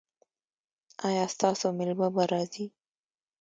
ایا ستاسو میلمه به راځي؟